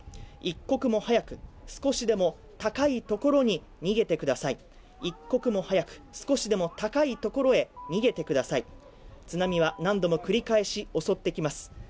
一刻も早く、少しでも高いところに逃げてください、一刻も早く、少しでも高いところへ逃げてください津波は何度も繰り返し襲ってきます。